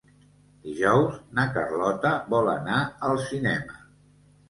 Dijous na Carlota vol anar al cinema.